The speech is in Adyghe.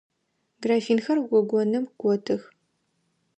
Графинхэр гогоным готых.